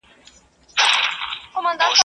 کار اسباب کوي، لافي استا ولي.